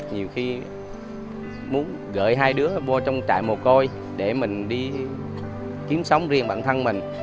nhiều khi muốn gửi hai đứa vô trong trại mùa côi để mình đi kiếm sống riêng bản thân mình